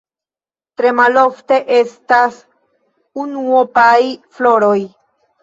Tre malofte estas unuopaj floroj.